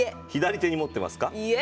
左手に持ってますか。